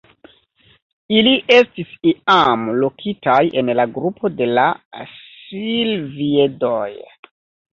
Ili estis iam lokitaj en la grupo de la Silviedoj.